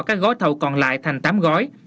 các gói thầu còn lại thành tám gói